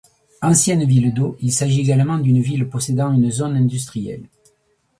Ancienne ville d'eau, il s'agit également d'une ville possédant une zone industrielle.